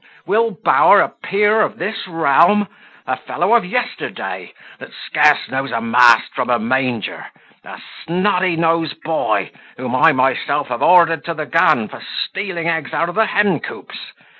Will. Bower a peer of this realm! a fellow of yesterday, that scarce knows a mast from a manger! a snotty nose boy, whom I myself have ordered to the gun, for stealing eggs out of the hen coops!